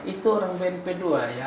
itu orang bnp dua ya